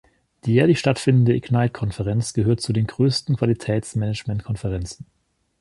Die jährlich stattfindende "iqnite"-Konferenz gehört zu den größten Qualitätsmanagement-Konferenzen.